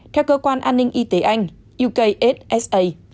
theo cơ quan an ninh y tế anh ukssa